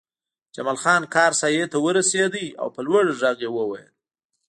جمال خان کار ساحې ته ورسېد او په لوړ غږ یې وویل